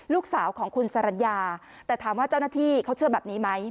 ลูกสาวของคุณสรรญาแต่ถามว่าเจ้าหน้าที่เขาเชื่อแบบนี้ไหม